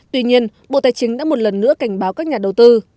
tuy nhiên bộ tài chính đã một lần nữa cảnh báo các nhà đầu tư